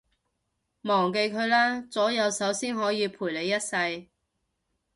忘記佢啦，左右手先可以陪你一世